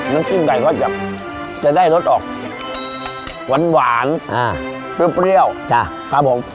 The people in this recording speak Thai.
น้ำจิ้มไก่ก็จะจะได้รสออกหวานหวานอ่าซื้อเปรี้ยวจ้ะครับผม